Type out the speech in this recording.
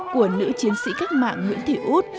của nữ chiến sĩ các mạng nguyễn thị út